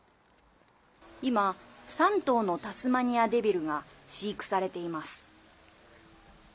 今、３頭のタスマニアデビルが飼育されています。